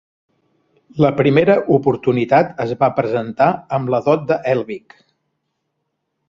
La primera oportunitat es va presentar amb la dot de Helvig.